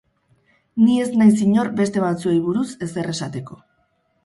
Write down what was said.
Ni ez naiz inor beste batzuei buruz ezer esateko.